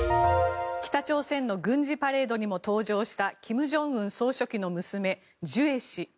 北朝鮮の軍事パレードにも登場した金正恩総書記の娘・ジュエ氏。